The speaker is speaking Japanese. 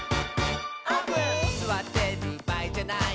「すわってるばあいじゃない」